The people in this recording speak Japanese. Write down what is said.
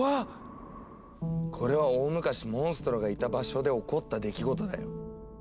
これは大昔モンストロがいた場所で起こった出来事だよ。